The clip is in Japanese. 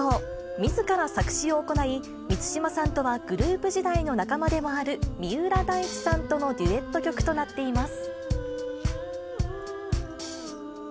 みずから作詞を行い、満島さんとはグループ時代の仲間でもある三浦大知さんとのデュエット曲となっています。